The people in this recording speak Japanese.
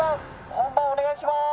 本番お願いします！